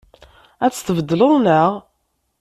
Ad tt-tbeddleḍ, naɣ?